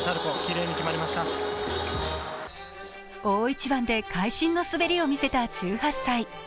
大一番で会心の滑りを見せた１８歳。